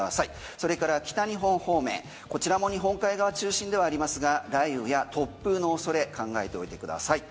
それから北日本方面こちらも日本海側中心ではありますが雷雨や突風のおそれ考えておいてください。